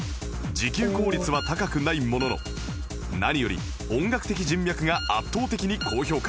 時給効率は高くないものの何より音楽的人脈が圧倒的に高評価